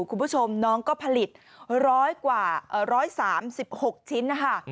คุณผู้ชมน้องก็ผลิต๑๐๐กว่า๑๓๖ชิ้น